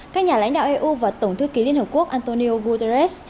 các nhà lãnh đạo eu và tổng thư ký liên hợp quốc antonio guterres